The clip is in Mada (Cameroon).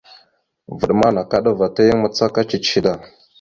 Vvaɗ ma nakaɗava ta yan macaka ciche da.